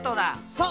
そう！